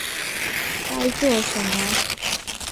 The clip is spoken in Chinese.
该做什么